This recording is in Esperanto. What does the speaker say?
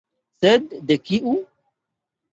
Sed de kiu?